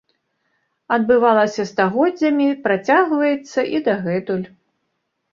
Адбывалася стагоддзямі, працягваецца і дагэтуль.